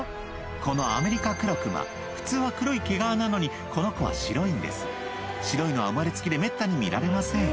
このアメリカクロクマ普通は黒い毛皮なのにこの子は白いんです白いのは生まれつきでめったに見られません